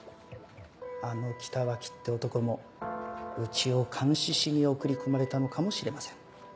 あの北脇って男もうちを監視しに送り込まれたのかもしれません。